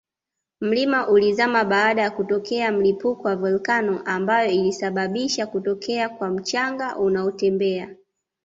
mlima ulizama baada ya kutokea mlipuko wa volcano ambayo ilisabisha kutokea kwa mchanga unaotembea